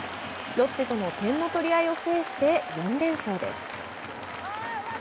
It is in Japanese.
ロッテとの点の取り合いを制して４連勝です。